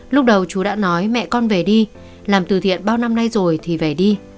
lúc đầu chú đã nói mẹ con về đi làm từ thiện bao năm nay rồi thì về đi